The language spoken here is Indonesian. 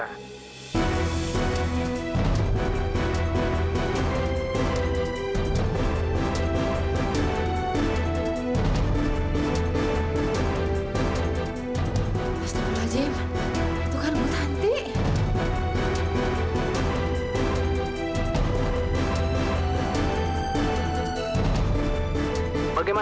alhamdulillah saya ingin menikmati